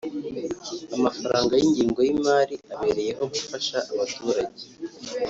Amafaranga y’ ingengo y’ imari abereyeho gufasha abaturange